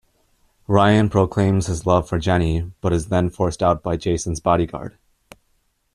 Ryan proclaims his love for Jenny but is then forced out by Jason's bodyguard.